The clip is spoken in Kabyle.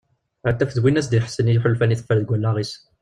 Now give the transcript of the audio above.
Ad taf d win ara as-d-iḥessen i yiḥulfan i teffer deg wallaɣ-is.